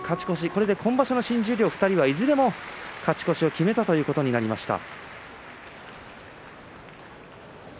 これで今場所の新十両はいずれも勝ち越しを決めたということになりました。